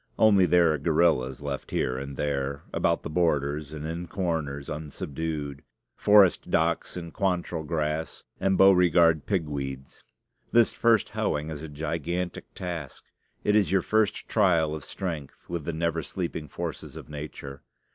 Only there are guerrillas left here and there, about the borders and in corners, unsubdued Forest docks, and Quantrell grass, and Beauregard pigweeds. This first hoeing is a gigantic task: it is your first trial of strength with the never sleeping forces of Nature.